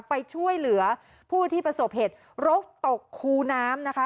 ไปช่วยเหลือผู้ที่ประสบเหตุรกตกคูน้ำนะคะ